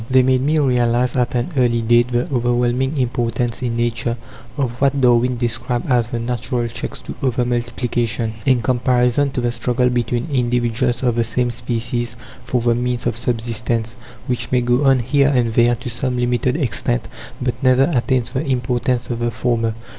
They made me realize at an early date the overwhelming importance in Nature of what Darwin described as "the natural checks to over multiplication," in comparison to the struggle between individuals of the same species for the means of subsistence, which may go on here and there, to some limited extent, but never attains the importance of the former.